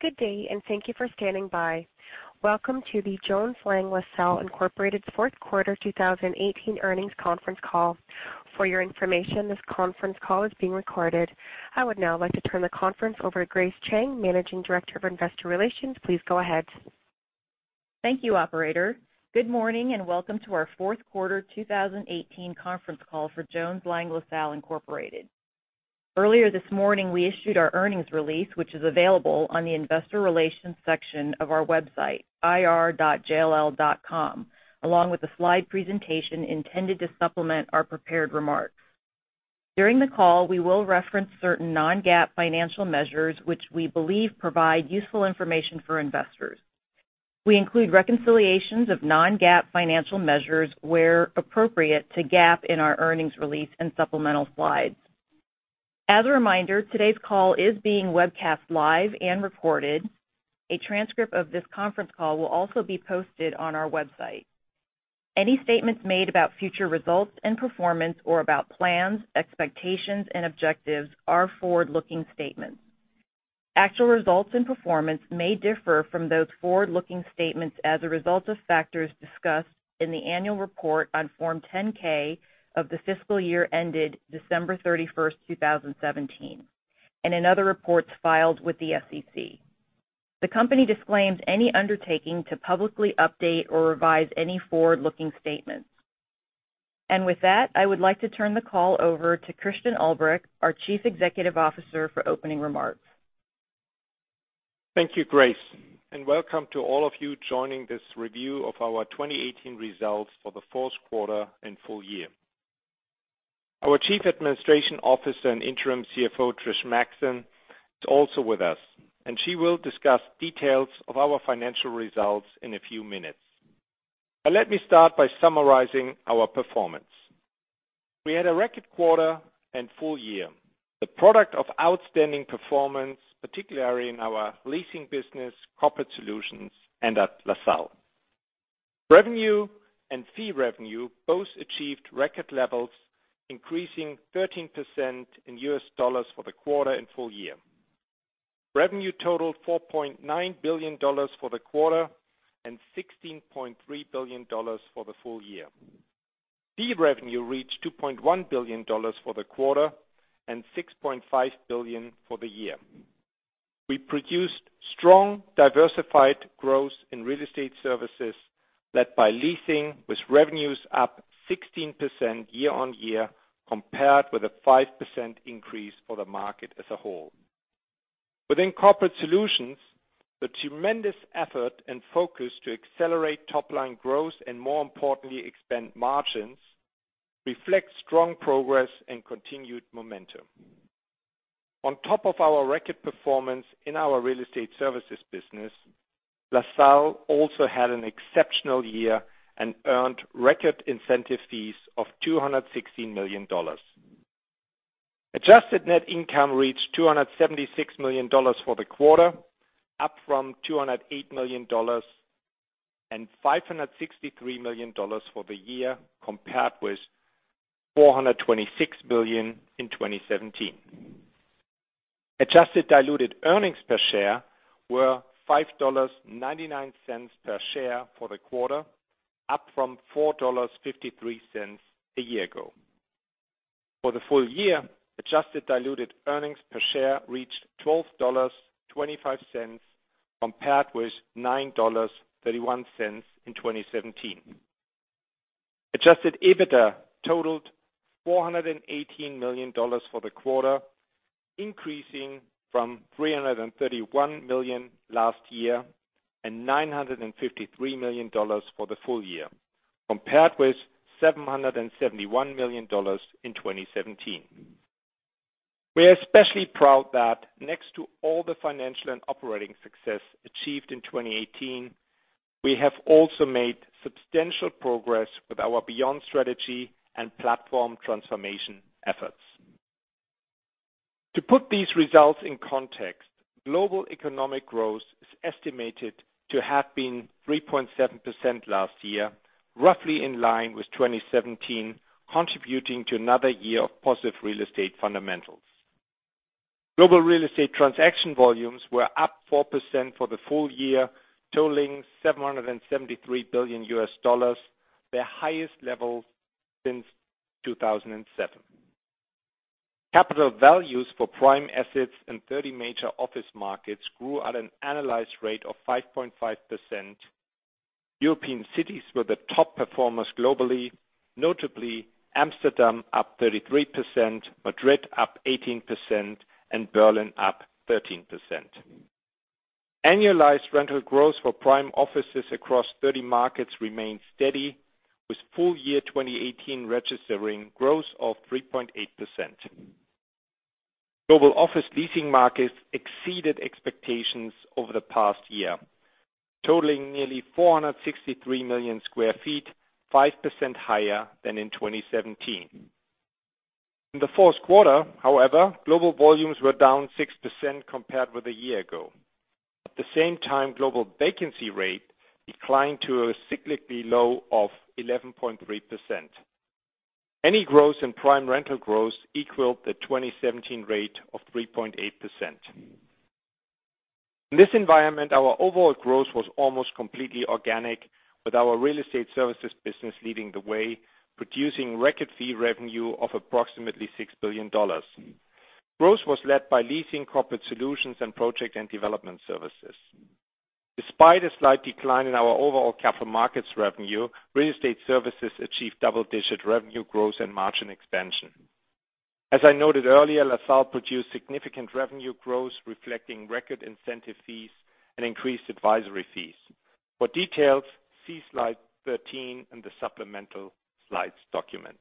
Good day. Thank you for standing by. Welcome to the Jones Lang LaSalle Incorporated fourth quarter 2018 earnings conference call. For your information, this conference call is being recorded. I would now like to turn the conference over to Grace Chang, Managing Director of Investor Relations. Please go ahead. Thank you, operator. Good morning. Welcome to our fourth quarter 2018 conference call for Jones Lang LaSalle Incorporated. Earlier this morning, we issued our earnings release, which is available on the Investor Relations section of our website, ir.jll.com, along with a slide presentation intended to supplement our prepared remarks. During the call, we will reference certain non-GAAP financial measures which we believe provide useful information for investors. We include reconciliations of non-GAAP financial measures where appropriate to GAAP in our earnings release and supplemental slides. As a reminder, today's call is being webcast live and recorded. A transcript of this conference call will also be posted on our website. Any statements made about future results and performance or about plans, expectations, and objectives are forward-looking statements. Actual results and performance may differ from those forward-looking statements as a result of factors discussed in the annual report on Form 10-K of the fiscal year ended December 31st, 2017, and in other reports filed with the SEC. The company disclaims any undertaking to publicly update or revise any forward-looking statements. With that, I would like to turn the call over to Christian Ulbrich, our Chief Executive Officer, for opening remarks. Thank you, Grace. Welcome to all of you joining this review of our 2018 results for the fourth quarter and full year. Our Chief Administration Officer and Interim CFO, Trish Maxson, is also with us, and she will discuss details of our financial results in a few minutes. Let me start by summarizing our performance. We had a record quarter and full year, the product of outstanding performance, particularly in our Leasing business, Corporate Solutions, and at LaSalle. Revenue and fee revenue both achieved record levels, increasing 13% in U.S. dollars for the quarter and full year. Revenue totaled $4.9 billion for the quarter and $16.3 billion for the full year. Fee revenue reached $2.1 billion for the quarter and $6.5 billion for the year. We produced strong, diversified growth in Real Estate Services led by Leasing, with revenues up 16% year-over-year, compared with a 5% increase for the market as a whole. Within Corporate Solutions, the tremendous effort and focus to accelerate top-line growth and, more importantly, expand margins reflect strong progress and continued momentum. On top of our record performance in our Real Estate Services business, LaSalle also had an exceptional year and earned record incentive fees of $216 million. Adjusted net income reached $276 million for the quarter, up from $208 million, and $563 million for the year, compared with $426 million in 2017. Adjusted diluted earnings per share were $5.99 per share for the quarter, up from $4.53 a year ago. For the full year, adjusted diluted earnings per share reached $12.25, compared with $9.31 in 2017. Adjusted EBITDA totaled $418 million for the quarter, increasing from $331 million last year, and $953 million for the full year, compared with $771 million in 2017. We are especially proud that next to all the financial and operating success achieved in 2018, we have also made substantial progress with our Beyond strategy and platform transformation efforts. To put these results in context, global economic growth is estimated to have been 3.7% last year, roughly in line with 2017, contributing to another year of positive real estate fundamentals. Global real estate transaction volumes were up 4% for the full year, totaling $773 billion, their highest level since 2007. Capital values for prime assets in 30 major office markets grew at an annualized rate of 5.5%. European cities were the top performers globally, notably Amsterdam up 33%, Madrid up 18%, and Berlin up 13%. Annualized rental growth for prime offices across 30 markets remained steady, with full year 2018 registering growth of 3.8%. Global office leasing markets exceeded expectations over the past year, totaling nearly 463 million square feet, 5% higher than in 2017. In the fourth quarter, however, global volumes were down 6% compared with a year ago. At the same time, global vacancy rate declined to a cyclically low of 11.3%. Any growth in prime rental growth equaled the 2017 rate of 3.8%. In this environment, our overall growth was almost completely organic, with our Real Estate Services business leading the way, producing record fee revenue of approximately $6 billion. Growth was led by Leasing, Corporate Solutions, and Project & Development Services. Despite a slight decline in our Capital Markets revenue, Real Estate Services achieved double-digit revenue growth and margin expansion. As I noted earlier, LaSalle produced significant revenue growth, reflecting record incentive fees and increased advisory fees. For details, see slide 13 in the supplemental slides document.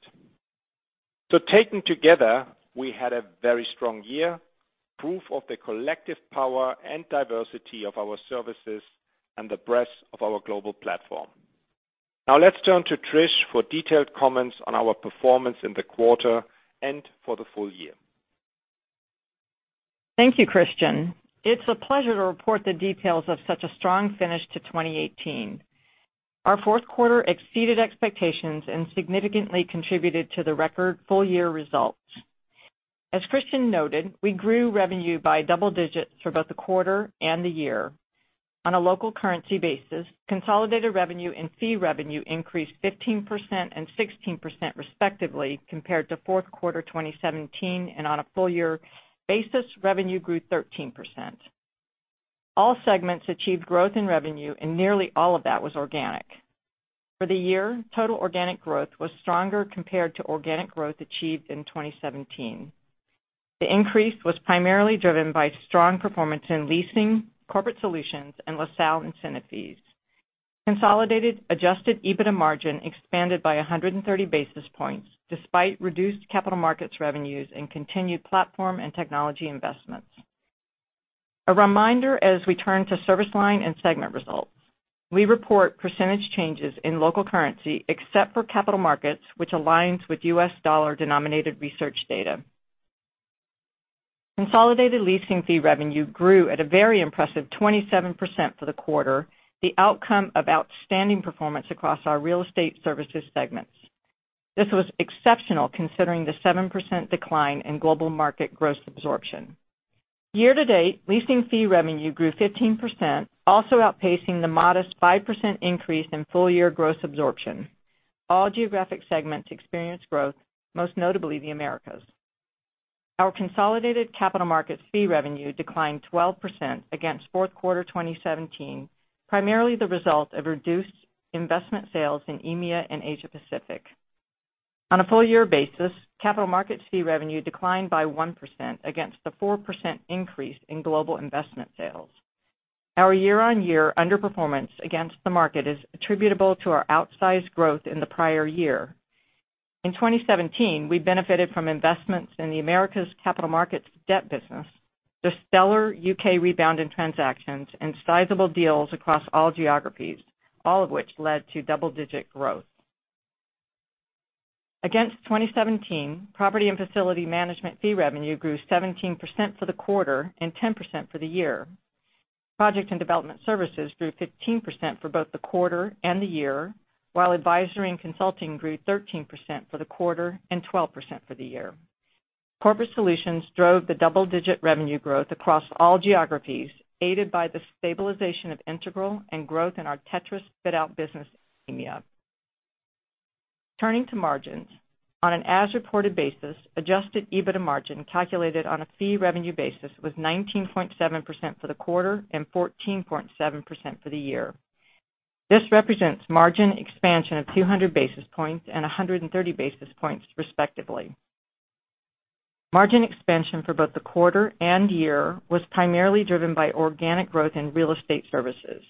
Taken together, we had a very strong year, proof of the collective power and diversity of our services and the breadth of our global platform. Let's turn to Trish for detailed comments on our performance in the quarter and for the full year. Thank you, Christian. It's a pleasure to report the details of such a strong finish to 2018. Our fourth quarter exceeded expectations and significantly contributed to the record full-year results. As Christian noted, we grew revenue by double-digits for both the quarter and the year. On a local currency basis, consolidated revenue and fee revenue increased 15% and 16% respectively, compared to fourth quarter 2017, and on a full-year basis, revenue grew 13%. All segments achieved growth in revenue, and nearly all of that was organic. For the year, total organic growth was stronger compared to organic growth achieved in 2017. The increase was primarily driven by strong performance in Leasing, Corporate Solutions, and LaSalle incentive fees. Consolidated adjusted EBITDA margin expanded by 130 basis points despite Capital Markets revenues and continued platform and technology investments. A reminder as we turn to service line and segment results, we report percentage changes in local currency, except Capital Markets, which aligns with U.S. dollar-denominated research data. Consolidated Leasing fee revenue grew at a very impressive 27% for the quarter, the outcome of outstanding performance across our Real Estate Services segments. This was exceptional considering the 7% decline in global market gross absorption. Year-to-date, Leasing fee revenue grew 15%, also outpacing the modest 5% increase in full-year gross absorption. All geographic segments experienced growth, most notably the Americas. Our Capital Markets fee revenue declined 12% against fourth quarter 2017, primarily the result of reduced investment sales in EMEA and Asia Pacific. On a full-year Capital Markets fee revenue declined by 1% against the 4% increase in global investment sales. Our year-on-year underperformance against the market is attributable to our outsized growth in the prior year. In 2017, we benefited from investments in the Capital Markets debt business, the stellar U.K. rebound in transactions, and sizable deals across all geographies, all of which led to double-digit growth. Against 2017, Property & Facility Management fee revenue grew 17% for the quarter and 10% for the year. Project & Development Services grew 15% for both the quarter and the year, while Advisory and Consulting grew 13% for the quarter and 12% for the year. Corporate Solutions drove the double-digit revenue growth across all geographies, aided by the stabilization of Integral and growth in our Tétris fit-out business in EMEA. Turning to margins, on an as-reported basis, adjusted EBITDA margin calculated on a fee revenue basis was 19.7% for the quarter and 14.7% for the year. This represents margin expansion of 200 basis points and 130 basis points respectively. Margin expansion for both the quarter and year was primarily driven by organic growth in Real Estate Services.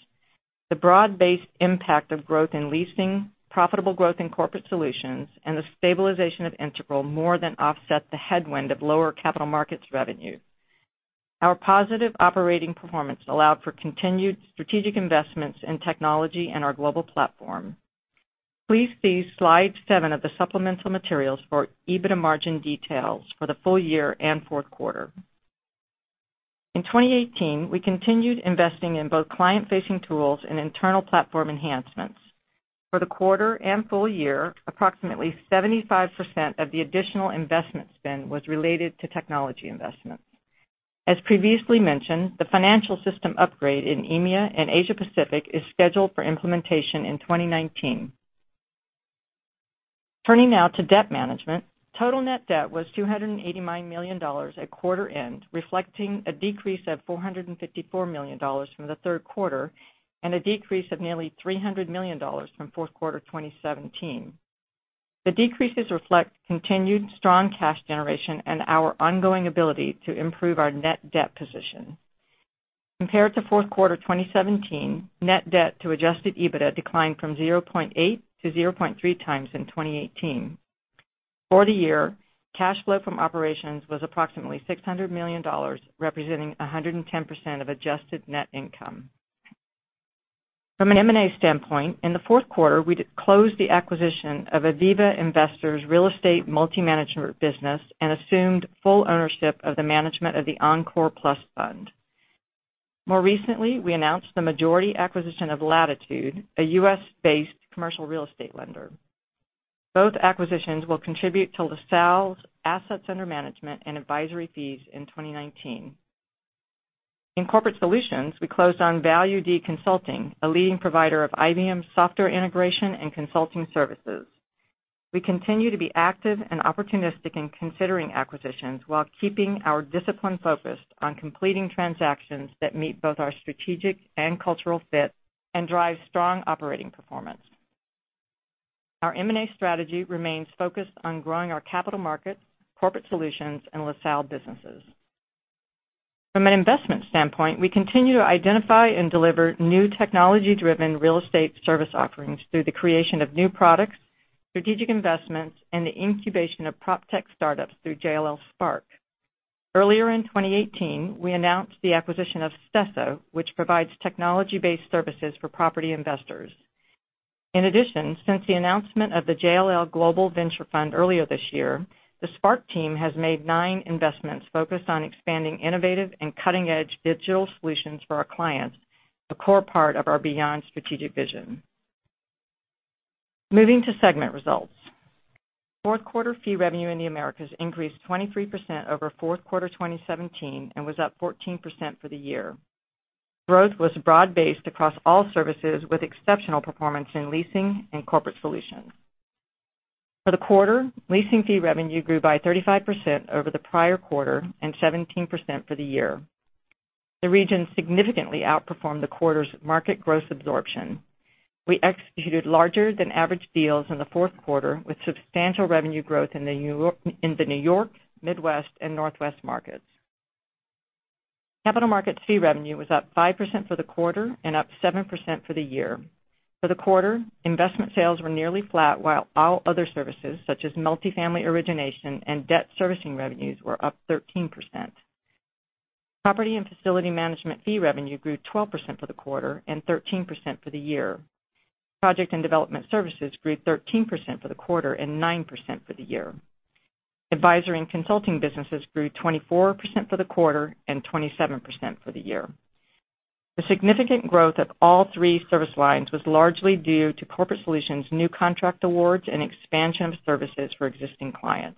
The broad-based impact of growth in Leasing, profitable growth in Corporate Solutions, and the stabilization of Integral more than offset the headwind of Capital Markets revenue. Our positive operating performance allowed for continued strategic investments in technology and our global platform. Please see slide seven of the supplemental materials for EBITDA margin details for the full year and fourth quarter. In 2018, we continued investing in both client-facing tools and internal platform enhancements. For the quarter and full year, approximately 75% of the additional investment spend was related to technology investments. As previously mentioned, the financial system upgrade in EMEA and Asia Pacific is scheduled for implementation in 2019. Turning now to debt management. Total net debt was $289 million at quarter end, reflecting a decrease of $454 million from the third quarter and a decrease of nearly $300 million from fourth quarter 2017. The decreases reflect continued strong cash generation and our ongoing ability to improve our net debt position. Compared to fourth quarter 2017, net debt to adjusted EBITDA declined from 0.8x to 0.3x in 2018. For the year, cash flow from operations was approximately $600 million, representing 110% of adjusted net income. From an M&A standpoint, in the fourth quarter, we closed the acquisition of Aviva Investors Real Estate Multi-Manager business and assumed full ownership of the management of the Encore+ fund. More recently, we announced the majority acquisition of Latitude, a U.S.-based commercial real estate lender. Both acquisitions will contribute to LaSalle's asset management and advisory fees in 2019. In Corporate Solutions, we closed on ValuD Consulting, a leading provider of IBM software integration and consulting services. We continue to be active and opportunistic in considering acquisitions while keeping our discipline focused on completing transactions that meet both our strategic and cultural fit and drive strong operating performance. Our M&A strategy remains focused on growing Capital Markets, Corporate Solutions, and LaSalle businesses. From an investment standpoint, we continue to identify and deliver new technology-driven real estate service offerings through the creation of new products, strategic investments, and the incubation of proptech startups through JLL Spark. Earlier in 2018, we announced the acquisition of Stessa, which provides technology-based services for property investors. In addition, since the announcement of the JLL Global Venture fund earlier this year, the Spark team has made nine investments focused on expanding innovative and cutting-edge digital solutions for our clients, a core part of our Beyond strategic vision. Moving to segment results. Fourth quarter fee revenue in the Americas increased 23% over fourth quarter 2017 and was up 14% for the year. Growth was broad-based across all services with exceptional performance in Leasing and Corporate Solutions. For the quarter, Leasing fee revenue grew by 35% over the prior quarter and 17% for the year. The region significantly outperformed the quarter's market gross absorption. We executed larger than average deals in the fourth quarter with substantial revenue growth in the New York, Midwest, and Northwest markets. Capital Markets fee revenue was up 5% for the quarter and up 7% for the year. For the quarter, investment sales were nearly flat, while all other services such as multifamily origination and debt servicing revenues were up 13%. Property & Facility Management fee revenue grew 12% for the quarter and 13% for the year. Project & Development Services grew 13% for the quarter and 9% for the year. Advisory and Consulting businesses grew 24% for the quarter and 27% for the year. The significant growth of all three service lines was largely due to Corporate Solutions' new contract awards, and expansion of services for existing clients.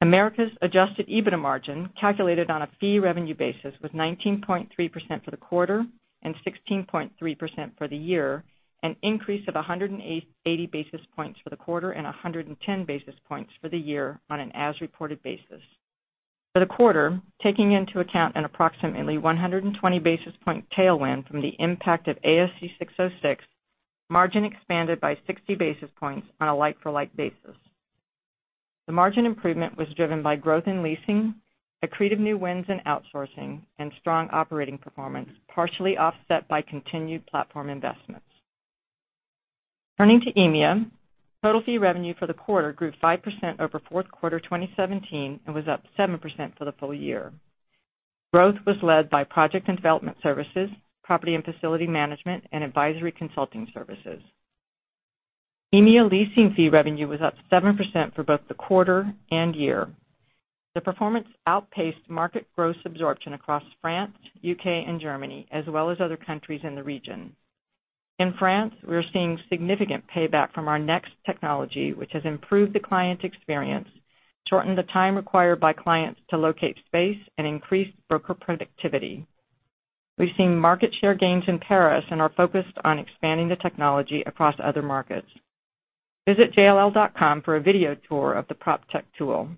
Americas adjusted EBITDA margin, calculated on a fee revenue basis, was 19.3% for the quarter and 16.3% for the year, an increase of 180 basis points for the quarter and 110 basis points for the year on an as-reported basis. For the quarter, taking into account an approximately 120 basis point tailwind from the impact of ASC 606, margin expanded by 60 basis points on a like-for-like basis. The margin improvement was driven by growth in Leasing, accretive new wins in outsourcing, and strong operating performance, partially offset by continued platform investments. Turning to EMEA. Total fee revenue for the quarter grew 5% over fourth quarter 2017 and was up 7% for the full year. Growth was led by Project & Development Services, Property & Facility Management, and Advisory, Consulting Services. EMEA Leasing fee revenue was up 7% for both the quarter and year. The performance outpaced market gross absorption across France, U.K., and Germany, as well as other countries in the region. In France, we are seeing significant payback from our Next technology, which has improved the client experience, shortened the time required by clients to locate space, and increased broker productivity. We've seen market share gains in Paris and are focused on expanding the technology across other markets. Visit jll.com for a video tour of the proptech tool.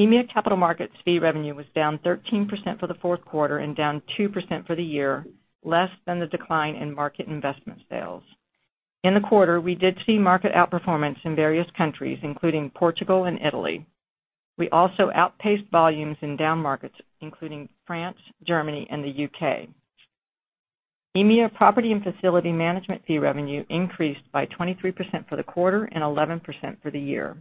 EMEA Capital Markets fee revenue was down 13% for the fourth quarter and down 2% for the year, less than the decline in market investment sales. In the quarter, we did see market outperformance in various countries, including Portugal and Italy. We also outpaced volumes in down markets, including France, Germany, and the U.K. EMEA Property & Facility Management fee revenue increased by 23% for the quarter and 11% for the year.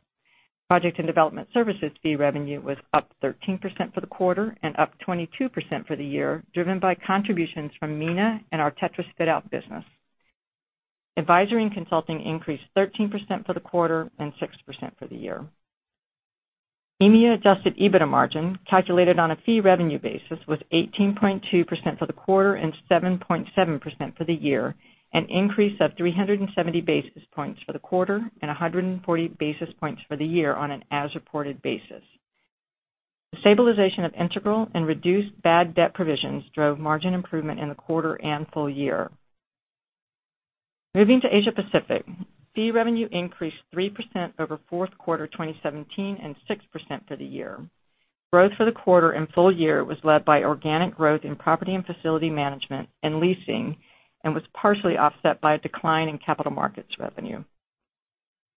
Project & Development Services fee revenue was up 13% for the quarter and up 22% for the year, driven by contributions from MENA and our Tétris fit-out business. Advisory and Consulting increased 13% for the quarter and 6% for the year. EMEA adjusted EBITDA margin, calculated on a fee revenue basis, was 18.2% for the quarter and 7.7% for the year, an increase of 370 basis points for the quarter and 140 basis points for the year on an as-reported basis. The stabilization of Integral and reduced bad debt provisions drove margin improvement in the quarter and full year. Moving to Asia Pacific. Fee revenue increased 3% over fourth quarter 2017 and 6% for the year. Growth for the quarter and full year was led by organic growth in Property & Facility Management and Leasing and was partially offset by a decline Capital Markets revenue.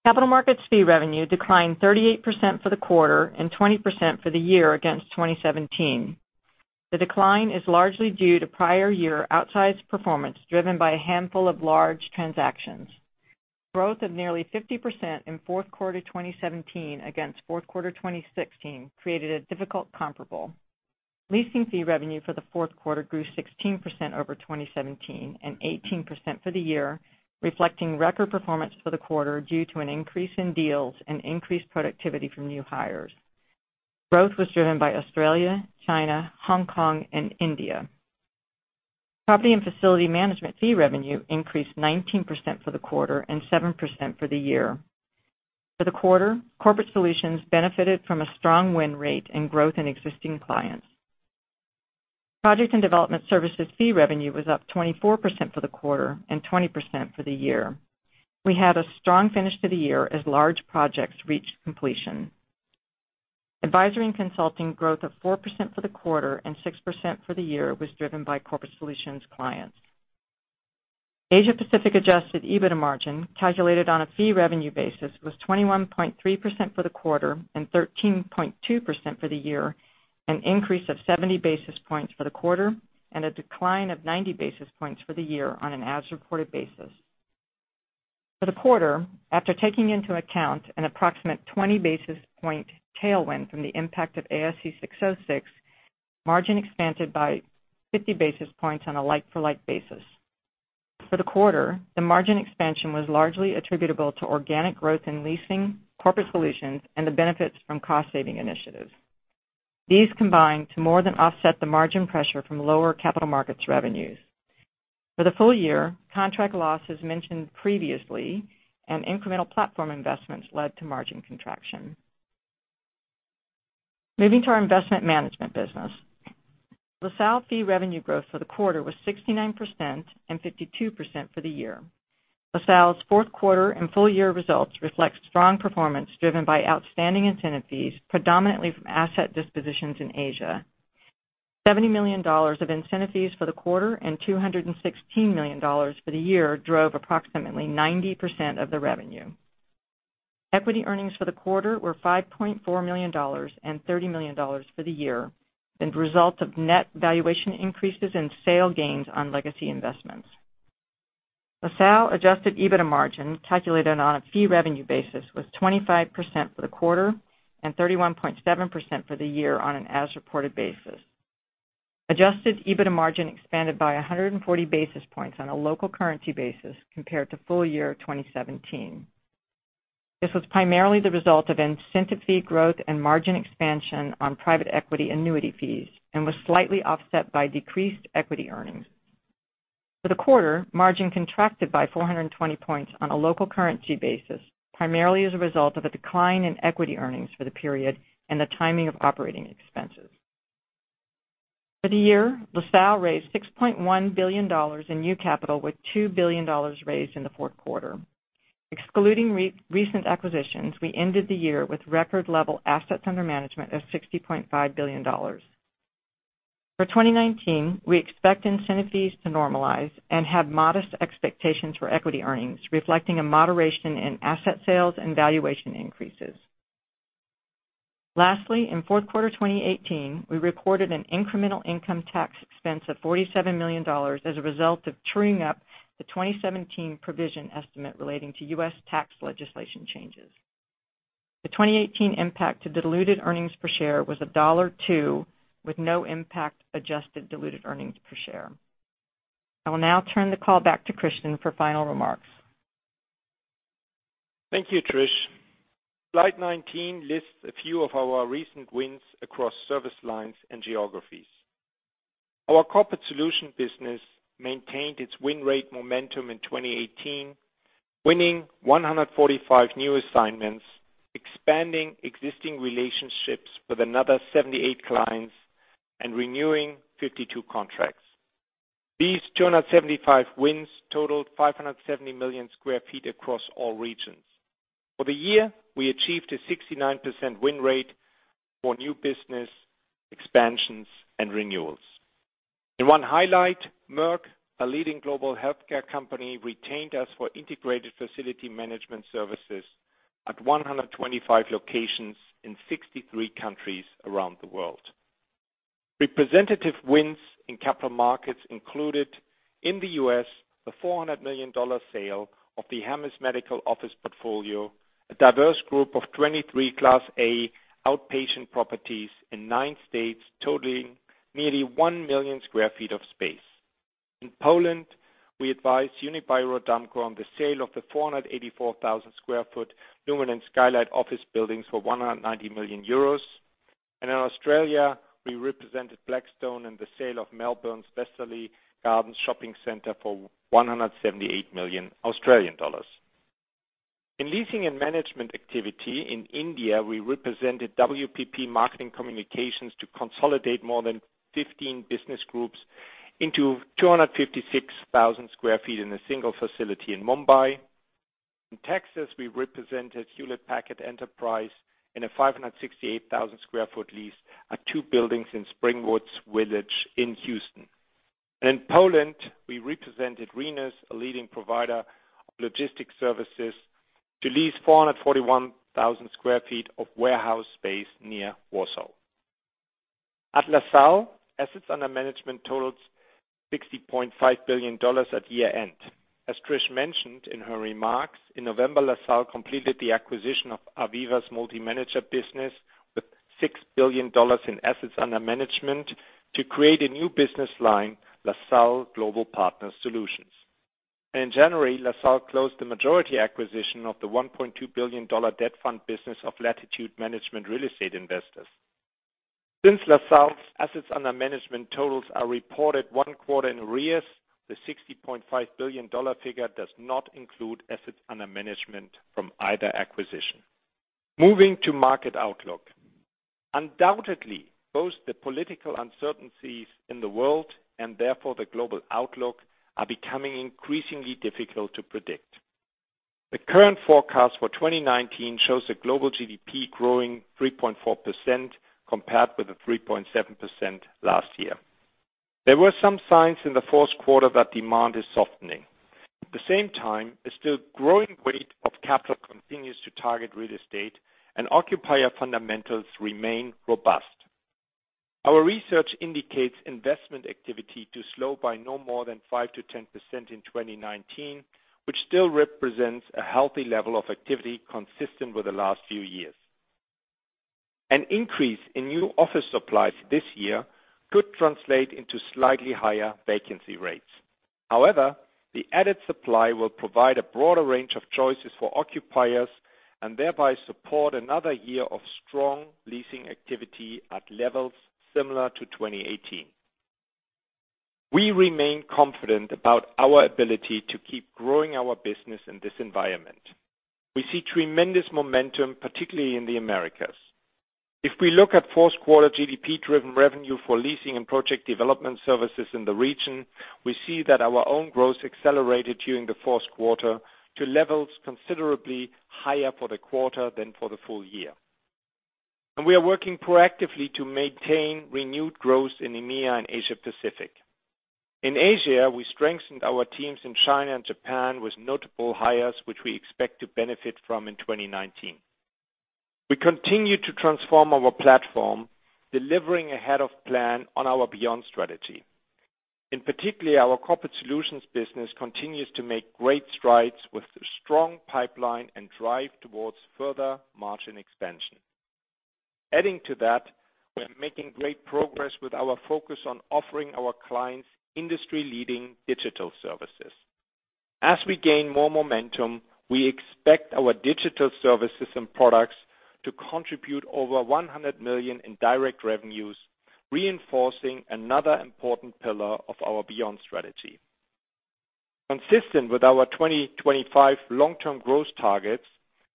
Capital Markets fee revenue declined 38% for the quarter and 20% for the year against 2017. The decline is largely due to prior year outsized performance, driven by a handful of large transactions. Growth of nearly 50% in fourth quarter 2017 against fourth quarter 2016 created a difficult comparable. Leasing fee revenue for the fourth quarter grew 16% over 2017 and 18% for the year, reflecting record performance for the quarter due to an increase in deals and increased productivity from new hires. Growth was driven by Australia, China, Hong Kong, and India. Property & Facility Management fee revenue increased 19% for the quarter and 7% for the year. For the quarter, Corporate Solutions benefited from a strong win rate and growth in existing clients. Project & Development Services fee revenue was up 24% for the quarter and 20% for the year. We had a strong finish to the year as large projects reached completion. Advisory and Consulting growth of 4% for the quarter and 6% for the year was driven by Corporate Solutions clients. Asia Pacific adjusted EBITDA margin, calculated on a fee revenue basis, was 21.3% for the quarter and 13.2% for the year, an increase of 70 basis points for the quarter, and a decline of 90 basis points for the year on an as-reported basis. For the quarter, after taking into account an approximate 20 basis point tailwind from the impact of ASC 606, margin expanded by 50 basis points on a like-for-like basis. For the quarter, the margin expansion was largely attributable to organic growth in Leasing, Corporate Solutions, and the benefits from cost-saving initiatives. These combined to more than offset the margin pressure from Capital Markets revenues. For the full year, contract losses mentioned previously and incremental platform investments led to margin contraction. Moving to our Investment Management business. LaSalle fee revenue growth for the quarter was 69% and 52% for the year. LaSalle's fourth quarter and full year results reflect strong performance driven by outstanding incentive fees, predominantly from asset dispositions in Asia. $70 million of incentive fees for the quarter and $216 million for the year drove approximately 90% of the revenue. Equity earnings for the quarter were $5.4 million and $30 million for the year, and the result of net valuation increases and sale gains on legacy investments. LaSalle adjusted EBITDA margin, calculated on a fee revenue basis, was 25% for the quarter and 31.7% for the year on an as-reported basis. Adjusted EBITDA margin expanded by 140 basis points on a local currency basis compared to full year 2017. This was primarily the result of incentive fee growth and margin expansion on private equity annuity fees and was slightly offset by decreased equity earnings. For the quarter, margin contracted by 420 points on a local currency basis, primarily as a result of a decline in equity earnings for the period and the timing of operating expenses. For the year, LaSalle raised $6.1 billion in new capital with $2 billion raised in the fourth quarter. Excluding recent acquisitions, we ended the year with record level assets under management of $60.5 billion. For 2019, we expect incentive fees to normalize and have modest expectations for equity earnings, reflecting a moderation in asset sales and valuation increases. Lastly, in fourth quarter 2018, we recorded an incremental income tax expense of $47 million as a result of truing up the 2017 provision estimate relating to U.S. tax legislation changes. The 2018 impact to diluted earnings per share was $1.02, with no impact adjusted diluted earnings per share. I will now turn the call back to Christian for final remarks. Thank you, Trish. Slide 19 lists a few of our recent wins across service lines and geographies. Our Corporate Solutions business maintained its win rate momentum in 2018, winning 145 new assignments, expanding existing relationships with another 78 clients, and renewing 52 contracts. These 275 wins totaled 570 million square feet across all regions. For the year, we achieved a 69% win rate for new business expansions and renewals. In one highlight, Merck, a leading global healthcare company, retained us for integrated facility management services at 125 locations in 63 countries around the world. Representative wins Capital Markets included, in the U.S., the $400 million sale of the Hammes Medical Office portfolio, a diverse group of 23 Class A outpatient properties in nine states, totaling nearly 1 million square feet of space. In Poland, we advised Unibail-Rodamco on the sale of the 484,000 square foot Lumen and Skylight office buildings for 190 million euros. In Australia, we represented Blackstone in the sale of Melbourne's Waverley Gardens Shopping Centre for 178 million Australian dollars. In Leasing & Management activity in India, we represented WPP Marketing Communications to consolidate more than 15 business groups into 256,000 square feet in a single facility in Mumbai. In Texas, we represented Hewlett Packard Enterprise in a 568,000 square foot lease at two buildings in Springwoods Village in Houston. In Poland, we represented Rhenus, a leading provider of logistics services, to lease 441,000 square foot of warehouse space near Warsaw. At LaSalle, assets under management totaled $60.5 billion at year-end. As Trish mentioned in her remarks, in November, LaSalle completed the acquisition of Aviva Investors Real Estate Multi-Manager with $6 billion in assets under management to create a new business line, LaSalle Global Partner Solutions. In January, LaSalle closed the majority acquisition of the $1.2 billion debt fund business of Latitude Management Real Estate Investors. Since LaSalle's assets under management totals are reported one quarter in arrears, the $60.5 billion figure does not include assets under management from either acquisition. Moving to market outlook. Undoubtedly, both the political uncertainties in the world, and therefore the global outlook, are becoming increasingly difficult to predict. The current forecast for 2019 shows the global GDP growing 3.4% compared with the 3.7% last year. There were some signs in the fourth quarter that demand is softening. At the same time, a still growing weight of capital continues to target real estate and occupier fundamentals remain robust. Our research indicates investment activity to slow by no more than 5%-10% in 2019, which still represents a healthy level of activity consistent with the last few years. An increase in new office supplies this year could translate into slightly higher vacancy rates. However, the added supply will provide a broader range of choices for occupiers, and thereby support another year of strong leasing activity at levels similar to 2018. We remain confident about our ability to keep growing our business in this environment. We see tremendous momentum, particularly in the Americas. If we look at fourth quarter GDP-driven revenue for Leasing and Project Development Services in the region, we see that our own growth accelerated during the fourth quarter to levels considerably higher for the quarter than for the full year. We are working proactively to maintain renewed growth in EMEA and Asia Pacific. In Asia, we strengthened our teams in China and Japan with notable hires, which we expect to benefit from in 2019. We continue to transform our platform, delivering ahead of plan on our Beyond strategy. In particular, our Corporate Solutions business continues to make great strides with a strong pipeline and drive towards further margin expansion. Adding to that, we're making great progress with our focus on offering our clients industry-leading digital services. As we gain more momentum, we expect our digital services and products to contribute over $100 million in direct revenues, reinforcing another important pillar of our Beyond strategy. Consistent with our 2025 long-term growth targets,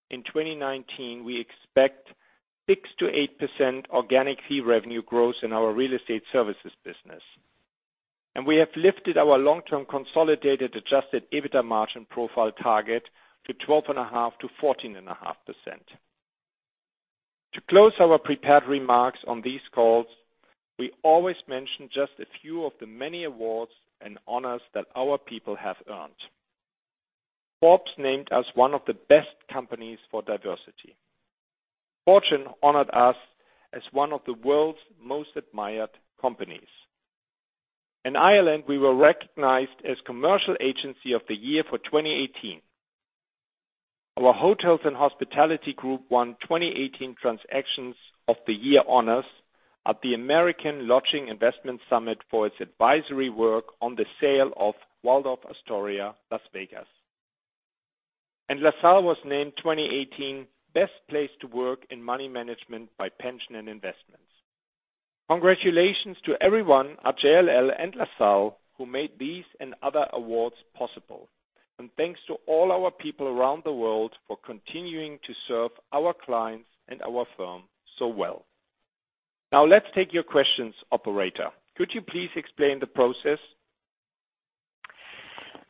in 2019, we expect 6%-8% organic fee revenue growth in our Real Estate Services business. We have lifted our long-term consolidated adjusted EBITDA margin profile target to 12.5%-14.5%. To close our prepared remarks on these calls, we always mention just a few of the many awards and honors that our people have earned. Forbes named us one of the best companies for diversity. Fortune honored us as one of the world's most admired companies. In Ireland, we were recognized as Commercial Agency of the Year for 2018. Our hotels and hospitality group won 2018 Transactions of the Year honors at the Americas Lodging Investment Summit for its advisory work on the sale of Waldorf Astoria, Las Vegas. LaSalle was named 2018 Best Place to Work in Money Management by Pensions & Investments. Congratulations to everyone at JLL and LaSalle who made these and other awards possible, and thanks to all our people around the world for continuing to serve our clients and our firm so well. Now let's take your questions. Operator, could you please explain the process?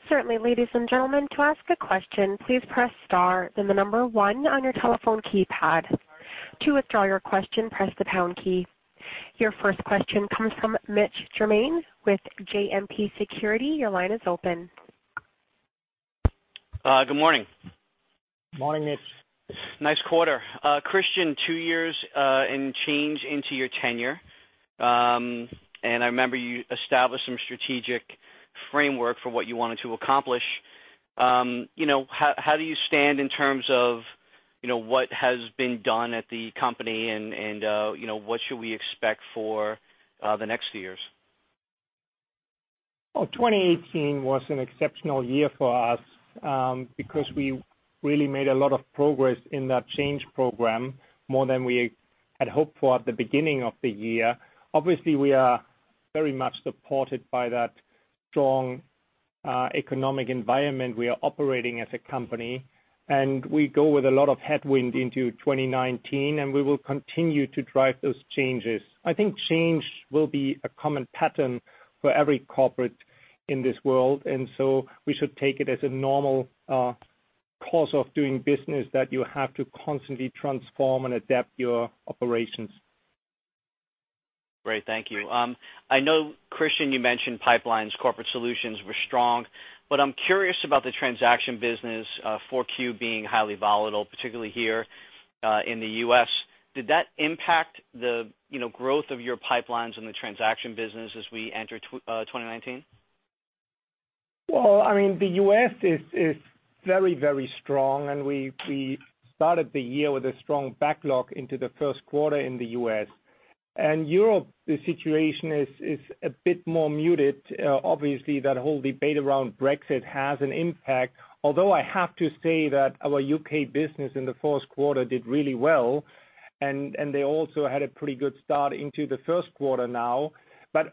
Certainly. Ladies and gentlemen, to ask a question, please press star, then the number one on your telephone keypad. To withdraw your question, press the pound key. Your first question comes from Mitchell Germain with JMP Securities. Your line is open. Good morning. Morning, Mitch. Nice quarter. Christian, two years and change into your tenure. I remember you established some strategic framework for what you wanted to accomplish. How do you stand in terms of what has been done at the company and what should we expect for the next years? 2018 was an exceptional year for us because we really made a lot of progress in that change program, more than we had hoped for at the beginning of the year. Obviously, we are very much supported by that strong economic environment we are operating as a company. We go with a lot of headwind into 2019. We will continue to drive those changes. I think change will be a common pattern for every corporate in this world. We should take it as a normal course of doing business that you have to constantly transform and adapt your operations. Great. Thank you. I know, Christian, you mentioned pipelines Corporate Solutions were strong, but I'm curious about the Transaction business, 4Q being highly volatile, particularly here in the U.S. Did that impact the growth of your pipelines in the Transaction business as we enter 2019? Well, the U.S. is very, very strong. We started the year with a strong backlog into the first quarter in the U.S. Europe, the situation is a bit more muted. Obviously, that whole debate around Brexit has an impact, although I have to say that our U.K. business in the fourth quarter did really well, and they also had a pretty good start into the first quarter now.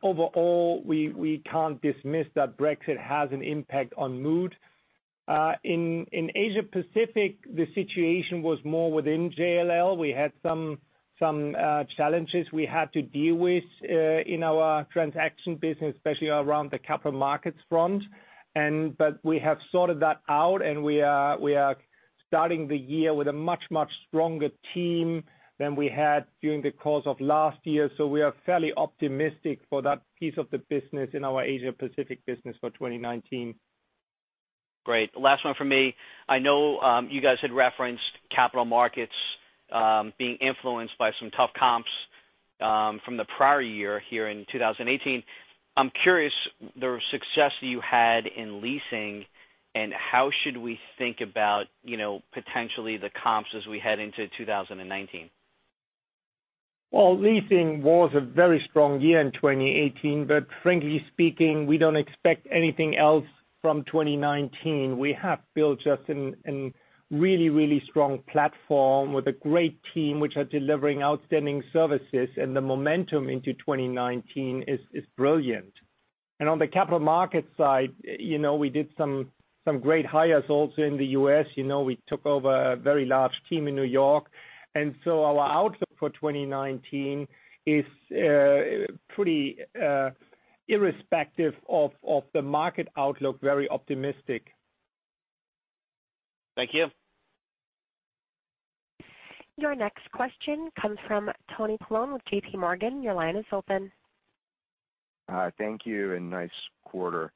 Overall, we can't dismiss that Brexit has an impact on mood. In Asia Pacific, the situation was more within JLL. We had some challenges we had to deal with in our Transaction business, especially around Capital Markets front. We have sorted that out, and we are starting the year with a much, much stronger team than we had during the course of last year. We are fairly optimistic for that piece of the business in our Asia Pacific business for 2019. Great. Last one from me. I know you guys had Capital Markets being influenced by some tough comps from the prior year here in 2018. I'm curious, the success you had in Leasing and how should we think about potentially the comps as we head into 2019? Well, Leasing was a very strong year in 2018. Frankly speaking, we don't expect anything else from 2019. We have built just a really, really strong platform with a great team, which are delivering outstanding services, the momentum into 2019 is brilliant. On Capital Markets side, we did some great hires also in the U.S. We took over a very large team in New York. Our outlook for 2019 is pretty irrespective of the market outlook, very optimistic. Thank you. Your next question comes from Tony Paolone with JPMorgan. Your line is open. Thank you, and nice quarter.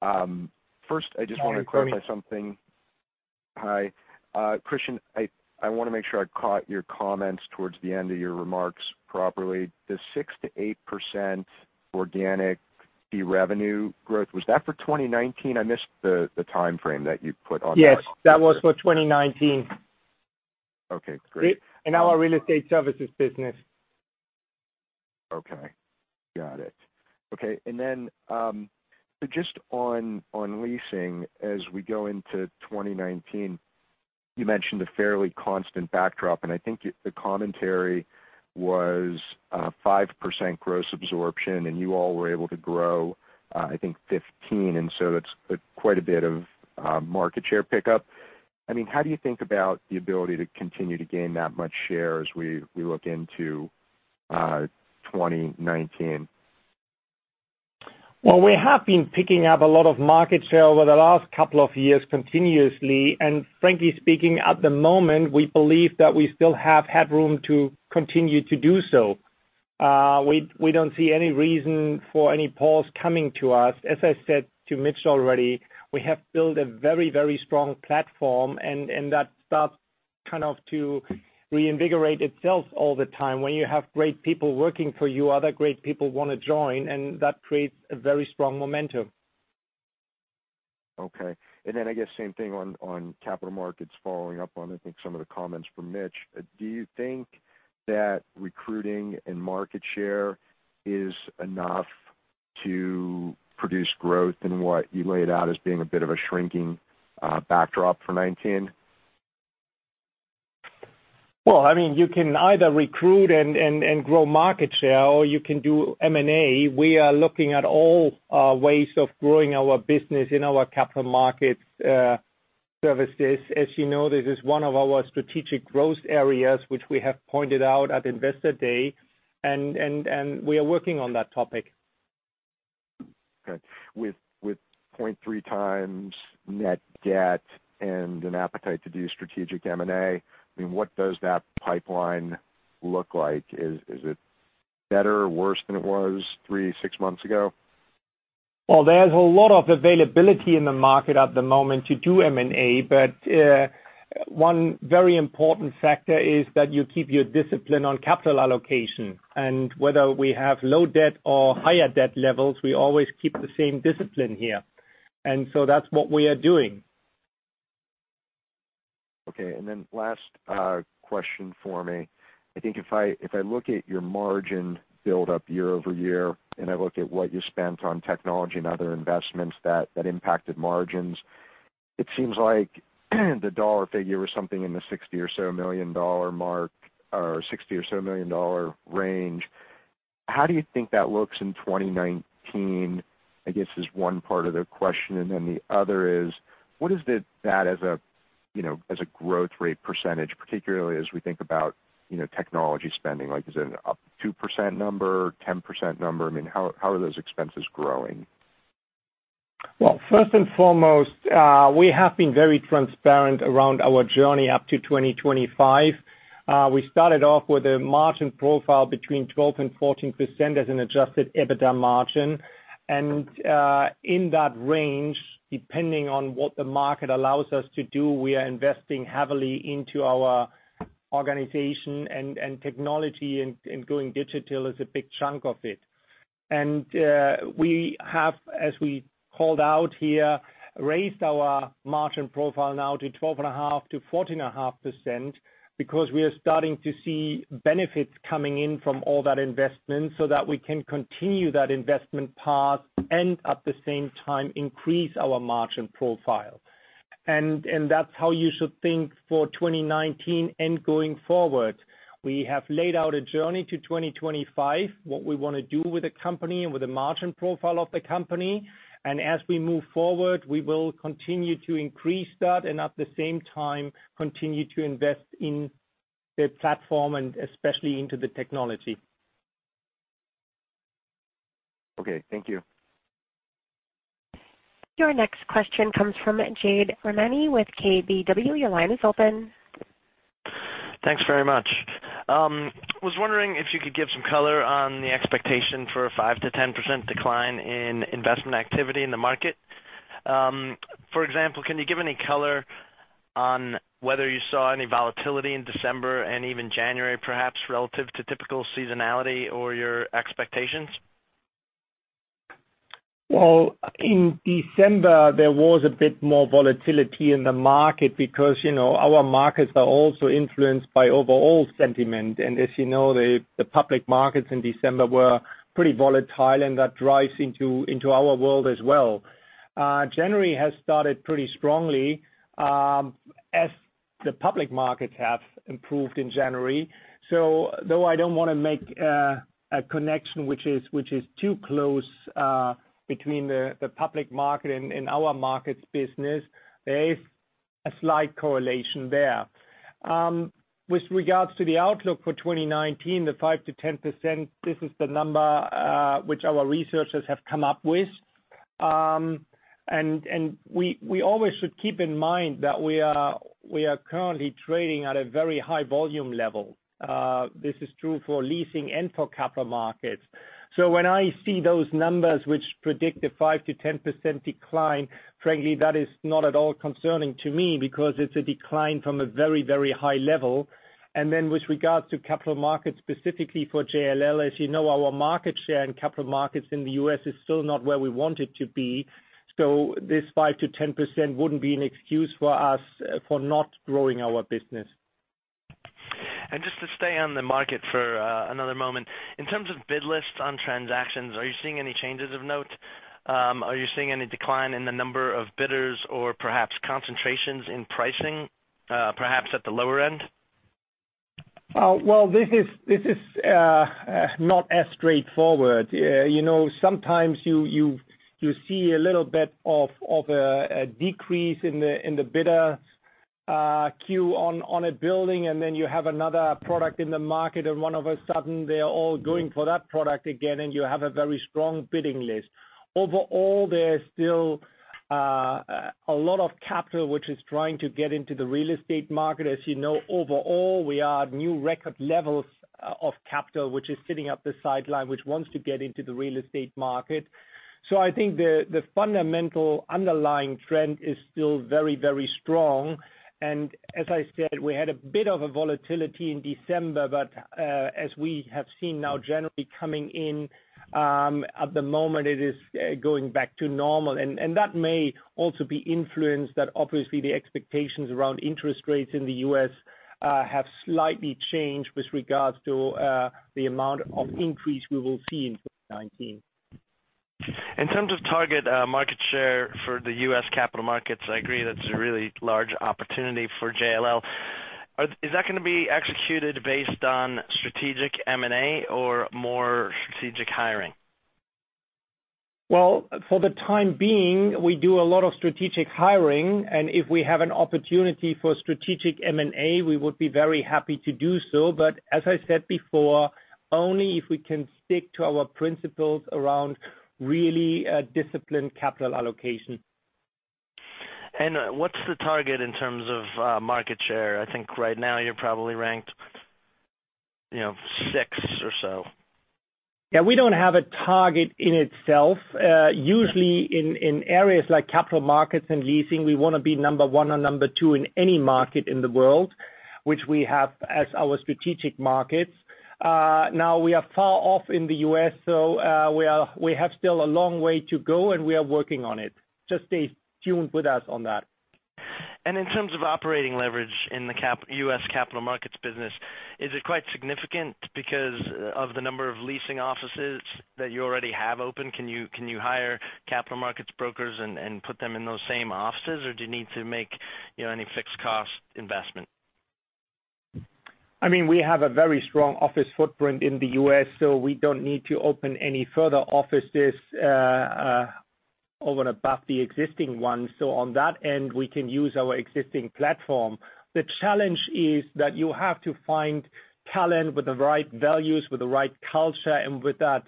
First, I just want to clarify something. Hi, Tony. Hi. Christian, I want to make sure I caught your comments towards the end of your remarks properly. The 6%-8% organic fee revenue growth, was that for 2019? I missed the timeframe that you put on that. Yes. That was for 2019. Okay, great. In our Real Estate Services business. Okay. Got it. Okay. Just on Leasing as we go into 2019, you mentioned a fairly constant backdrop, and I think the commentary was 5% gross absorption, and you all were able to grow, I think, 15%. That's quite a bit of market share pickup. How do you think about the ability to continue to gain that much share as we look into 2019? Well, we have been picking up a lot of market share over the last couple of years continuously, and frankly speaking, at the moment, we believe that we still have headroom to continue to do so. We don't see any reason for any pause coming to us. As I said to Mitch already, we have built a very, very strong platform, and that starts to reinvigorate itself all the time. When you have great people working for you, other great people want to join, and that creates a very strong momentum. Okay. I guess same thing Capital Markets, following up on, I think, some of the comments from Mitch. Do you think that recruiting and market share is enough to produce growth in what you laid out as being a bit of a shrinking backdrop for 2019? Well, you can either recruit and grow market share, or you can do M&A. We are looking at all ways of growing our business in Capital Markets services. As you know, this is one of our strategic growth areas which we have pointed out at Investor Day. We are working on that topic. Okay. With 0.3x net debt and an appetite to do strategic M&A, what does that pipeline look like? Is it better or worse than it was three, six months ago? Well, there's a lot of availability in the market at the moment to do M&A. One very important factor is that you keep your discipline on capital allocation. Whether we have low debt or higher debt levels, we always keep the same discipline here, shat's what we are doing. Last question for me. I think if I look at your margin build-up year-over-year, I look at what you spent on technology and other investments that impacted margins, it seems like the dollar figure was something in the $60 or so million mark or $60 or so million range. How do you think that looks in 2019? I guess is one part of the question. The other is, what is that as a growth rate percentage, particularly as we think about technology spending? Like is it an up 2% number, 10% number? How are those expenses growing? Well, first and foremost, we have been very transparent around our journey up to 2025. We started off with a margin profile between 12% and 14% as an adjusted EBITDA margin. In that range, depending on what the market allows us to do, we are investing heavily into our organization and technology, and going digital is a big chunk of it. We have, as we called out here, raised our margin profile now to 12.5%-14.5%, because we are starting to see benefits coming in from all that investment so that we can continue that investment path and at the same time increase our margin profile. That's how you should think for 2019 and going forward. We have laid out a journey to 2025, what we want to do with the company and with the margin profile of the company. As we move forward, we will continue to increase that and at the same time, continue to invest in the platform and especially into the technology. Okay, thank you. Your next question comes from Jade Rahmani with KBW. Your line is open. Thanks very much. I was wondering if you could give some color on the expectation for a 5%-10% decline in investment activity in the market. For example, can you give any color on whether you saw any volatility in December and even January, perhaps relative to typical seasonality or your expectations? Well, in December, there was a bit more volatility in the market because our markets are also influenced by overall sentiment. As you know, the public markets in December were pretty volatile, and that drives into our world as well. January has started pretty strongly as the public markets have improved in January. Though I don't want to make a connection which is too close between the public market and our markets business, there is a slight correlation there. With regards to the outlook for 2019, the 5%-10%, this is the number which our researchers have come up with. We always should keep in mind that we are currently trading at a very high volume level. This is true for Leasing and for Capital Markets. When I see those numbers which predict a 5%-10% decline, frankly, that is not at all concerning to me because it's a decline from a very, very high level. With regards Capital Markets, specifically for JLL, as you know, our market share Capital Markets in the U.S. is still not where we want it to be. This 5%-10% wouldn't be an excuse for us for not growing our business. Just to stay on the market for another moment. In terms of bid lists on transactions, are you seeing any changes of note? Are you seeing any decline in the number of bidders? Or perhaps concentrations in pricing perhaps at the lower end? Well, this is not as straightforward. Sometimes you see a little bit of a decrease in the bidder queue on a building, and then you have another product in the market, and all of a sudden, they are all going for that product again, and you have a very strong bidding list. Overall, there is still a lot of capital which is trying to get into the real estate market. As you know, overall, we are at new record levels of capital, which is sitting up the sideline, which wants to get into the real estate market. I think the fundamental underlying trend is still very, very strong. As I said, we had a bit of a volatility in December, but as we have seen now, January coming in, at the moment it is going back to normal. That may also be influenced that obviously the expectations around interest rates in the U.S. have slightly changed with regards to the amount of increase we will see in 2019. In terms of target market share for the Capital Markets, I agree that is a really large opportunity for JLL. Is that going to be executed based on strategic M&A or more strategic hiring? Well, for the time being, we do a lot of strategic hiring, and if we have an opportunity for strategic M&A, we would be very happy to do so. As I said before, only if we can stick to our principles around really disciplined capital allocation. What's the target in terms of market share? I think right now you're probably ranked six or so. Yeah, we don't have a target in itself. Usually in areas Capital Markets and Leasing, we want to be number one or number two in any market in the world, which we have as our strategic markets. We are far off in the U.S., so we have still a long way to go, and we are working on it. Stay tuned with us on that. In terms of operating leverage in the Capital Markets business, is it quite significant because of the number of Leasing offices that you already have open? Can you Capital Markets brokers and put them in those same offices, or do you need to make any fixed cost investment? We have a very strong office footprint in the U.S., so we don't need to open any further offices over and above the existing ones. On that end, we can use our existing platform. The challenge is that you have to find talent with the right values, with the right culture, and with that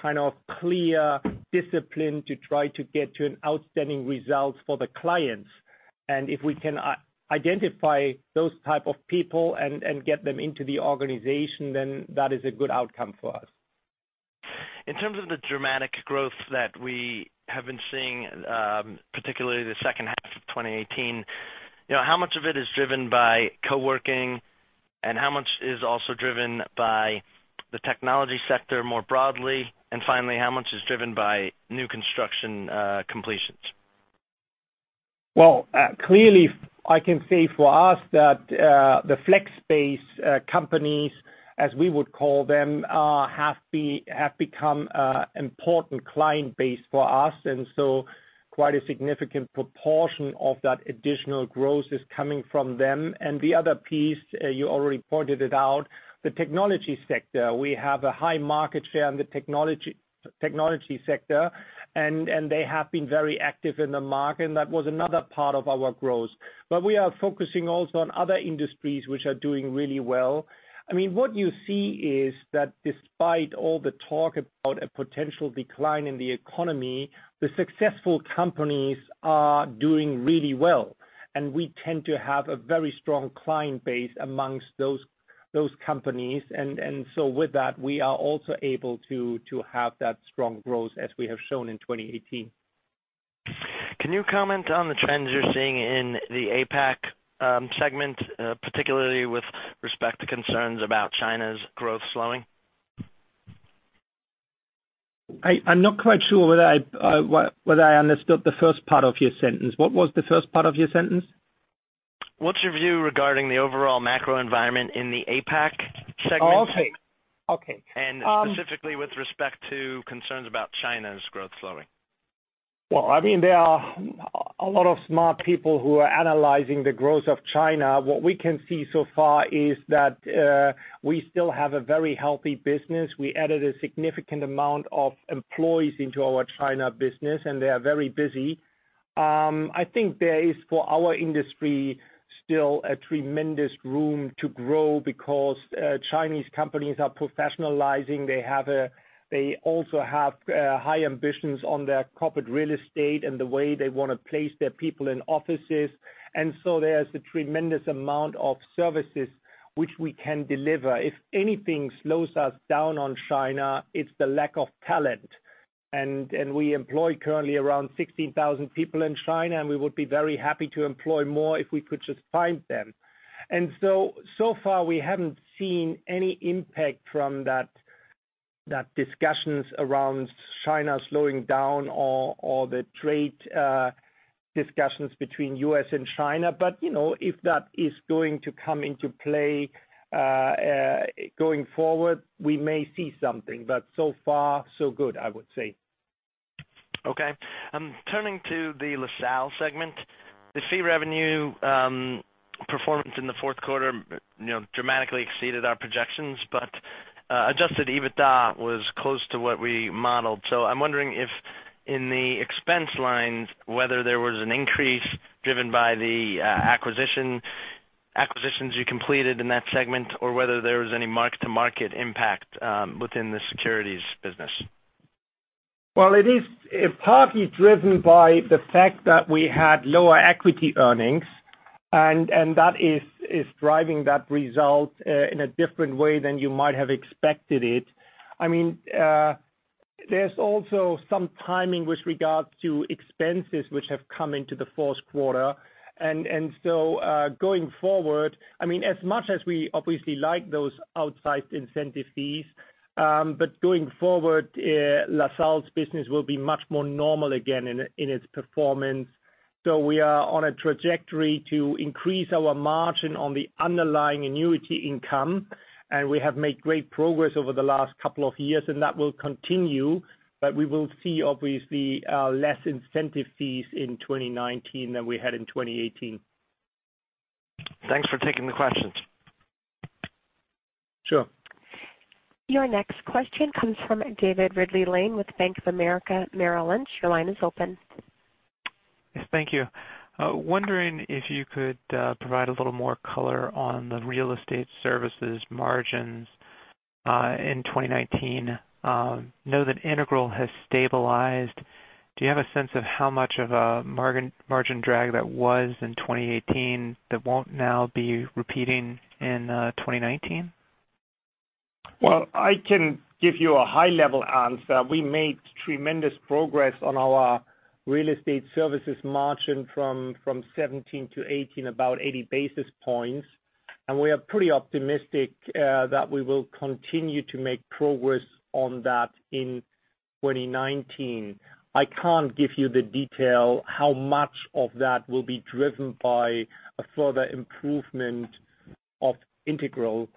kind of clear discipline to try to get to an outstanding result for the clients. If we can identify those type of people and get them into the organization, then that is a good outcome for us. In terms of the dramatic growth that we have been seeing, particularly the second half of 2018, how much of it is driven by co-working? How much is also driven by the technology sector more broadly? Finally, how much is driven by new construction completions? Well, clearly, I can say for us that the flex-base companies, as we would call them, have become important client base for us. Quite a significant proportion of that additional growth is coming from them. The other piece, you already pointed it out, the technology sector. We have a high market share in the technology sector, and they have been very active in the market, and that was another part of our growth. We are focusing also on other industries which are doing really well. What you see is that despite all the talk about a potential decline in the economy, the successful companies are doing really well, and we tend to have a very strong client base amongst those companies. With that, we are also able to have that strong growth as we have shown in 2018. Can you comment on the trends you're seeing in the APAC segment, particularly with respect to concerns about China's growth slowing? I'm not quite sure whether I understood the first part of your sentence. What was the first part of your sentence? What's your view regarding the overall macro environment in the APAC segment? Okay. Specifically with respect to concerns about China's growth slowing. Well, there are a lot of smart people who are analyzing the growth of China. What we can see so far is that we still have a very healthy business. We added a significant amount of employees into our China business, and they are very busy. I think there is, for our industry, still a tremendous room to grow because Chinese companies are professionalizing. They also have high ambitions on their corporate real estate and the way they want to place their people in offices. There is a tremendous amount of services which we can deliver. If anything slows us down on China, it's the lack of talent. We employ currently around 16,000 people in China, and we would be very happy to employ more if we could just find them. So far, we haven't seen any impact from that discussions around China slowing down or the trade discussions between U.S. and China. If that is going to come into play going forward, we may see something, but so far so good, I would say. Okay. Turning to the LaSalle segment, the fee revenue performance in the fourth quarter dramatically exceeded our projections, but adjusted EBITDA was close to what we modeled. I'm wondering if in the expense lines, whether there was an increase driven by the acquisitions you completed in that segment or whether there was any mark-to-market impact within the securities business. Well, it is partly driven by the fact that we had lower equity earnings, that is driving that result in a different way than you might have expected it. There's also some timing with regard to expenses which have come into the fourth quarter. Going forward, as much as we obviously like those outsized incentive fees, going forward, LaSalle's business will be much more normal again in its performance. We are on a trajectory to increase our margin on the underlying annuity income, we have made great progress over the last couple of years, that will continue, we will see obviously less incentive fees in 2019 than we had in 2018. Thanks for taking the questions. Sure. Your next question comes from David Ridley-Lane with Bank of America Merrill Lynch. Your line is open. Yes. Thank you. Wondering if you could provide a little more color on the Real Estate Services margins in 2019. Know that Integral has stabilized. Do you have a sense of how much of a margin drag that was in 2018 that won't now be repeating in 2019? Well, I can give you a high-level answer. We made tremendous progress on our Real Estate Services margin from 2017 to 2018, about 80 basis points, and we are pretty optimistic that we will continue to make progress on that in 2019. I can't give you the detail, how much of that will be driven by a further improvement of Integral.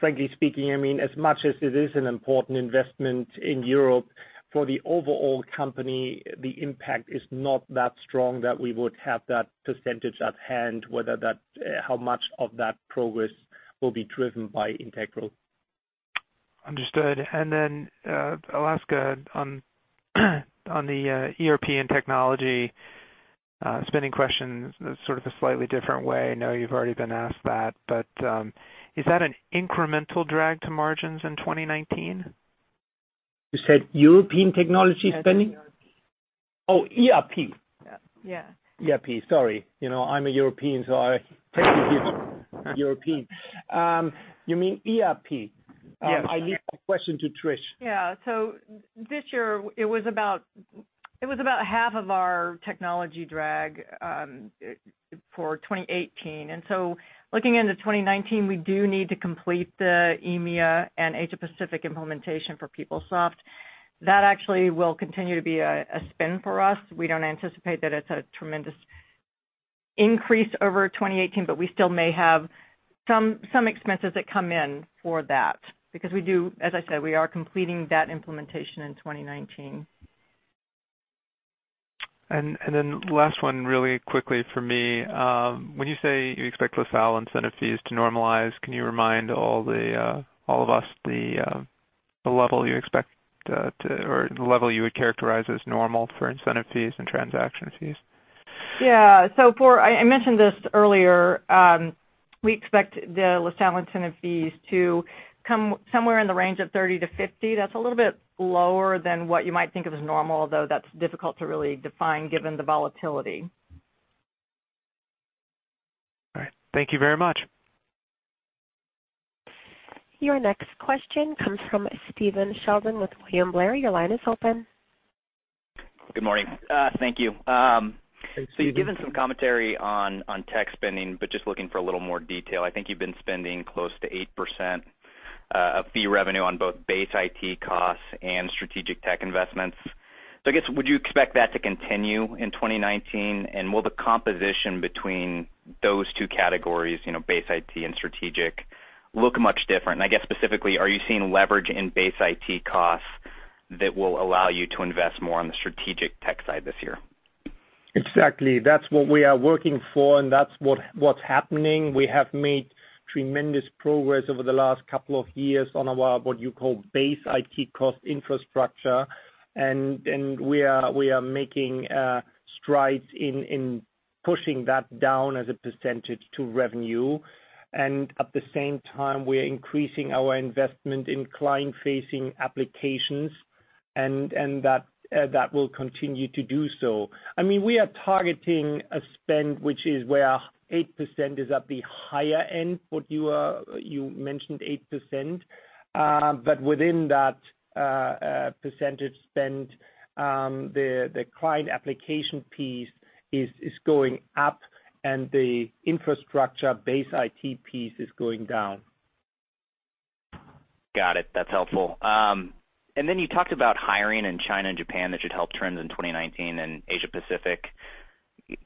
Frankly speaking, as much as it is an important investment in Europe, for the overall company, the impact is not that strong that we would have that percentage at hand, how much of that progress will be driven by Integral. Understood. Also, on the ERP and technology spending questions, sort of a slightly different way. I know you've already been asked that, but is that an incremental drag to margins in 2019? You said European technology spending? ERP. Oh, ERP. Yeah. ERP, sorry. I'm a European, so I tend to hear European. You mean ERP? Yes. I leave that question to Trish. This year it was about half of our technology drag for 2018. Looking into 2019, we do need to complete the EMEA and Asia-Pacific implementation for PeopleSoft. That actually will continue to be a spin for us. We don't anticipate that it's a tremendous increase over 2018, but we still may have some expenses that come in for that because as I said, we are completing that implementation in 2019. Last one really quickly from me. When you say you expect LaSalle incentive fees to normalize, can you remind all of us the level you would characterize as normal for incentive fees and transaction fees? Yeah. I mentioned this earlier. We expect the LaSalle incentive fees to come somewhere in the range of $30 million-$50 million. That's a little bit lower than what you might think of as normal, although that's difficult to really define given the volatility. All right. Thank you very much. Your next question comes from Stephen Sheldon with William Blair. Your line is open. Good morning. Thank you. Hey, Stephen. You've given some commentary on tech spending, but just looking for a little more detail. I think you've been spending close to 8% of fee revenue on both base IT costs and strategic tech investments. I guess, would you expect that to continue in 2019? Will the composition between those two categories, base IT and strategic, look much different? I guess specifically, are you seeing leverage in base IT costs that will allow you to invest more on the strategic tech side this year? Exactly. That's what we are working for and that's what's happening. We have made tremendous progress over the last couple of years on what you call base IT cost infrastructure. We are making strides in pushing that down as a percentage to revenue. At the same time, we are increasing our investment in client-facing applications, and that will continue to do so. We are targeting a spend which is where 8% is at the higher end, what you mentioned 8%. Within that percentage spend, the client application piece is going up and the infrastructure base IT piece is going down. Got it. That's helpful. You talked about hiring in China and Japan that should help trends in 2019 and Asia Pacific.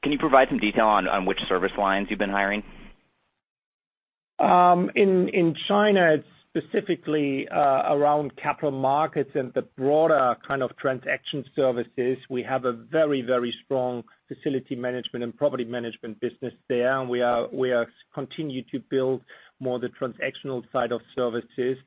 Can you provide some detail on which service lines you've been hiring? In China, it's specifically Capital Markets and the broader kind of transaction services. We have a very strong facility management and property management business there, and we are continue to build more the transactional side of services.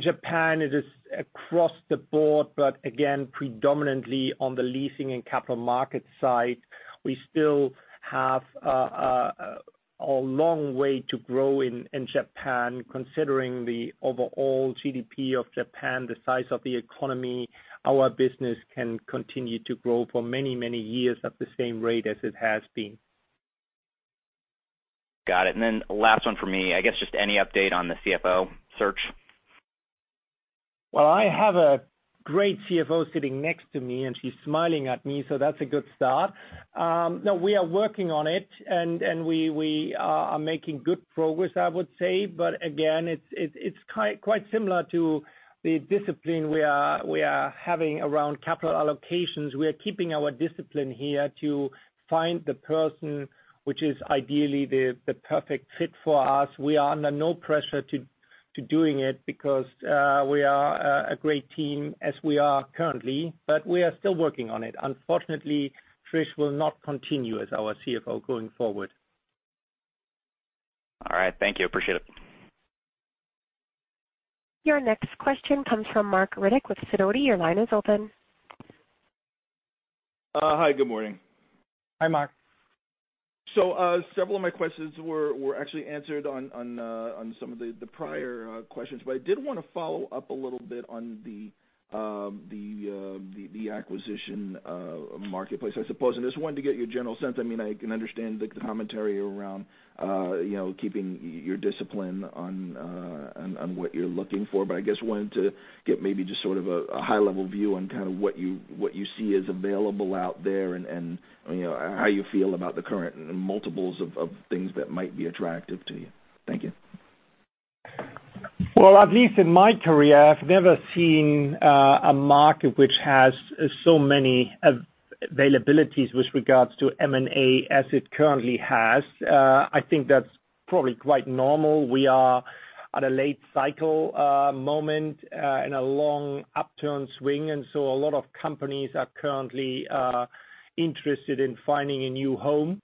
Japan, it is across the board, but again, predominantly on the Leasing Capital Market side. We still have a long way to grow in Japan, considering the overall GDP of Japan, the size of the economy. Our business can continue to grow for many years at the same rate as it has been. Got it. Last one for me, I guess just any update on the CFO search? I have a great CFO sitting next to me, and she's smiling at me, so that's a good start. We are working on it, and we are making good progress, I would say. Again, it's quite similar to the discipline we are having around capital allocations. We are keeping our discipline here to find the person which is ideally the perfect fit for us. We are under no pressure to doing it because we are a great team as we are currently, but we are still working on it. Unfortunately, Trish will not continue as our CFO going forward. All right. Thank you. Appreciate it. Your next question comes from Marc Riddick with Sidoti. Your line is open. Hi. Good morning. Hi, Marc. Several of my questions were actually answered on some of the prior questions, but I did want to follow up a little bit on the acquisition marketplace, I suppose. Just wanted to get your general sense. I can understand the commentary around keeping your discipline on what you are looking for, but I guess wanted to get maybe just sort of a high-level view on what you see is available out there and how you feel about the current multiples of things that might be attractive to you. Thank you. Well, at least in my career, I have never seen a market which has so many availabilities with regards to M&A as it currently has. I think that is probably quite normal. We are at a late cycle moment in a long upturn swing, a lot of companies are currently interested in finding a new home.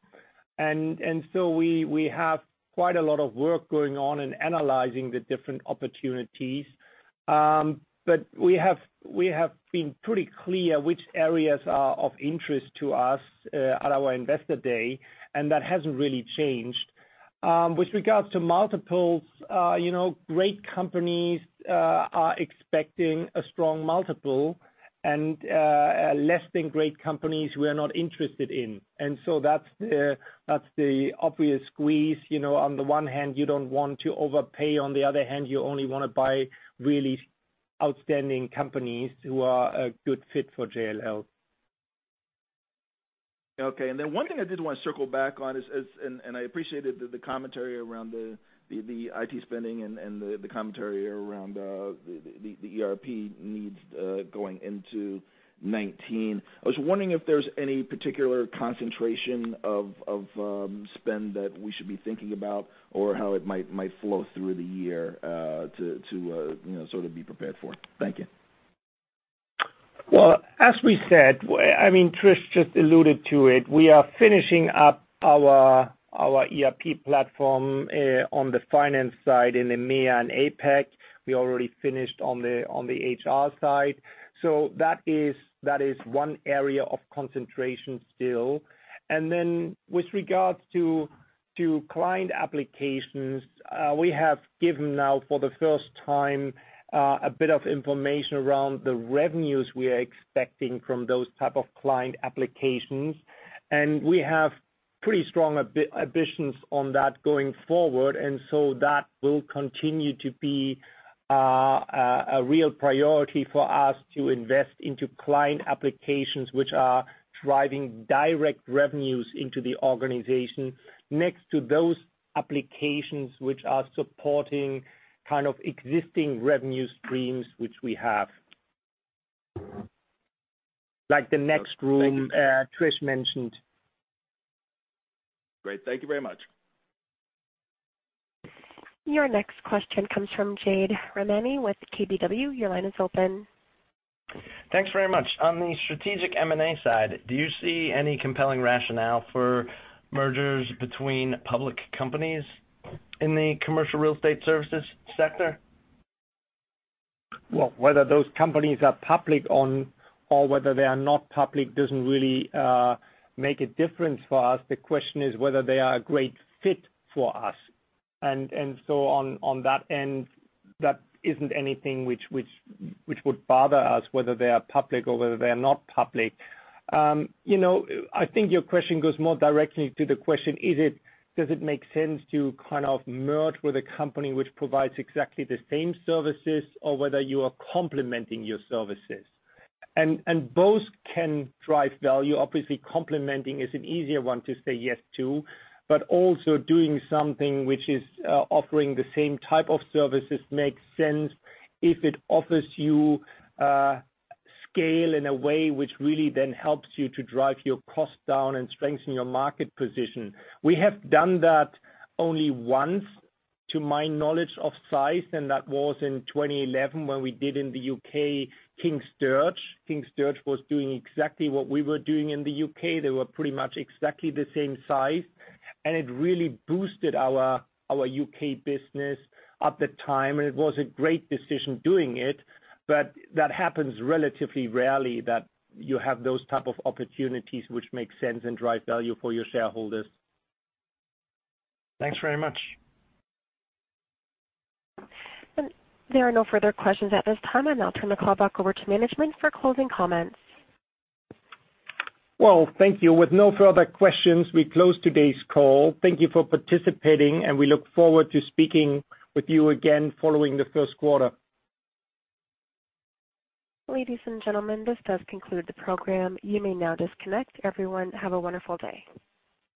We have quite a lot of work going on in analyzing the different opportunities. We have been pretty clear which areas are of interest to us at our Investor Day, and that has not really changed. With regards to multiples, great companies are expecting a strong multiple, and less-than-great companies, we are not interested in. That is the obvious squeeze. On the one hand, you do not want to overpay, on the other hand, you only want to buy really outstanding companies who are a good fit for JLL. Okay. One thing I did want to circle back on is, and I appreciated the commentary around the IT spending and the commentary around the ERP needs, going into 2019. I was wondering if there is any particular concentration of spend that we should be thinking about or how it might flow through the year to sort of be prepared for it. Thank you. Well, as we said, Trish just alluded to it. We are finishing up our ERP platform on the finance side in the EMEA and APAC. We already finished on the HR side. That is one area of concentration still. With regards to client applications, we have given now for the first time, a bit of information around the revenues we are expecting from those type of client applications. We have pretty strong ambitions on that going forward, that will continue to be a real priority for us to invest into client applications which are driving direct revenues into the organization next to those applications which are supporting kind of existing revenue streams which we have, like the [NXT Room], Trish mentioned. Great. Thank you very much. Your next question comes from Jade Rahmani with KBW. Your line is open. Thanks very much. On the strategic M&A side, do you see any compelling rationale for mergers between public companies in the commercial Real Estate Services sector? Whether those companies are public or whether they are not public doesn't really make a difference for us. The question is whether they are a great fit for us. On that end, that isn't anything which would bother us whether they are public or whether they are not public. I think your question goes more directly to the question, does it make sense to kind of merge with a company which provides exactly the same services or whether you are complementing your services? Both can drive value. Obviously, complementing is an easier one to say yes to, but also doing something which is offering the same type of services makes sense if it offers you scale in a way which really then helps you to drive your cost down and strengthen your market position. We have done that only once, to my knowledge of size, that was in 2011 when we did in the U.K., King Sturge. King Sturge was doing exactly what we were doing in the U.K. They were pretty much exactly the same size. It really boosted our U.K. business at the time and it was a great decision doing it. That happens relatively rarely that you have those type of opportunities which make sense and drive value for your shareholders. Thanks very much. There are no further questions at this time. I'll now turn the call back over to management for closing comments. Well, thank you. With no further questions, we close today's call. Thank you for participating and we look forward to speaking with you again following the first quarter. Ladies and gentlemen, this does conclude the program. You may now disconnect. Everyone, have a wonderful day.